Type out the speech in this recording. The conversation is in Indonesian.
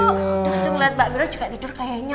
dan tuh ngeliat mbak mira juga tidur kayaknya